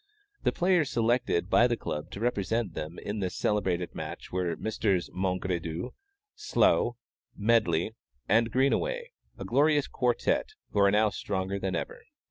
The players selected by the Club to represent them in this celebrated match were Messrs. Mongredieu, Slous, Medley, and Greenaway a glorious quartet, who are now stronger than ever.